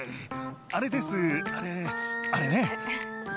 あれです、あれ、あれね。